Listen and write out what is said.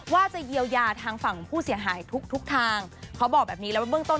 ว่าจะเยียวยาทางฝั่งผู้เสียหายทุกทุกทางเขาบอกแบบนี้แล้วว่าเบื้องต้น